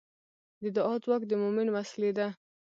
د دعا ځواک د مؤمن وسلې ده.